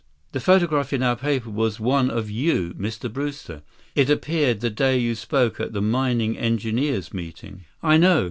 "The photograph in our paper was one of you, Mr. Brewster. It appeared the day you spoke at the mining engineers' meeting." "I know.